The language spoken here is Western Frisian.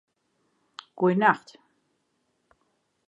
Goenacht